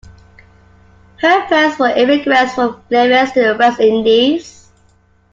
Her parents were immigrants from Nevis in the West Indies.